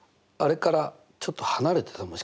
あれからちょっと離れてた？